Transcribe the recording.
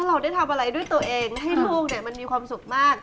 เราได้ทำอะไรด้วยตัวเองให้ลูกมันมีความสุขมาก